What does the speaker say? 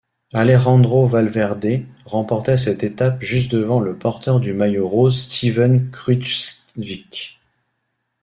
Alejandro Valverde remportait cette étape juste devant le porteur du maillot rose Steven Kruijswijk.